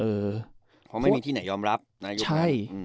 เออเพราะไม่มีที่ไหนยอมรับใช่